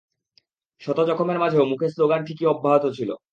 শত জখমের মাঝেও মুখে শ্লোগান ঠিকই অব্যাহত ছিল।